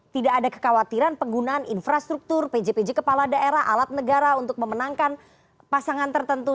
tidak ada kekhawatiran penggunaan infrastruktur pj pj kepala daerah alat negara untuk memenangkan pasangan tertentu